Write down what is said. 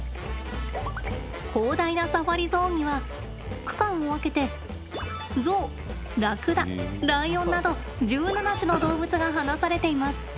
広大なサファリゾーンには区間を分けてゾウ、ラクダ、ライオンなど１７種の動物が放されています。